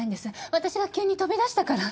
私が急に飛び出したから。